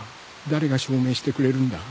誰が証明してくれるんだ？